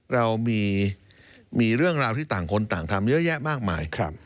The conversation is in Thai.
เรามีเรื่องราวที่ต่างคนต่างทำเยอะแยะมากมาย